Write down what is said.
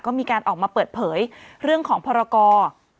ก็มีการออกมาเปิดเผยเรื่องของพรกร